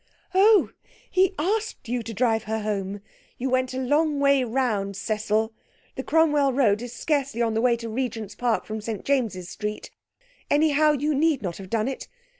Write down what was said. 'Oh! He asked you to drive her home! You went a long way round, Cecil. The Cromwell Road is scarcely on the way to Regent's Park from St James's Street. Anyhow, you need not have done it.